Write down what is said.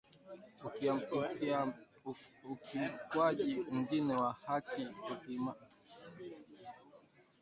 Ukiukwaji mwingine wa haki akimtaka Rais Yoweri Museveni kuhakikisha kuna hatua za kukomesha vitendo hivyo na sio maneno pekee.